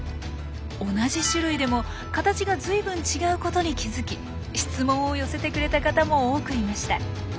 同じ種類でも形がずいぶん違うことに気付き質問を寄せてくれた方も多くいました。